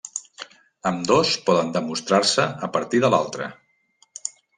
Ambdós poden demostrar-se a partir de l'altre.